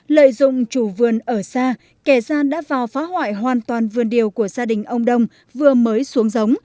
lợi dụng chủ vườn ở xa kẻ gian đã vào phá hoại hoàn toàn vườn điều của gia đình ông đông vừa mới xuống giống